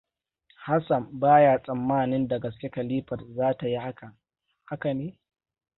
Hassan ba ya tsammanin da gaske Khalifat za ta yi hakan, haka ne?